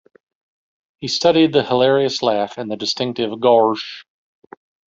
He studied the hilarious laugh and the distinctive "gawrsh".